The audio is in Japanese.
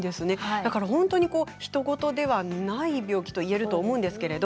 だから本当にひと事じゃない病気と言えると思います。